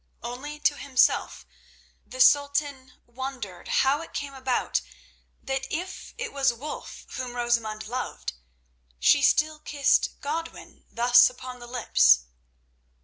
Only to himself the Sultan wondered how it came about that if it was Wulf whom Rosamund loved, she still kissed Godwin thus upon the lips.